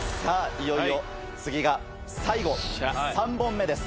いよいよ次が最後３本目です。